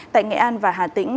tại nghệ an và hà tĩnh